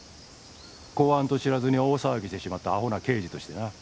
公安と知らずに大騒ぎしてしまったアホな刑事としてな。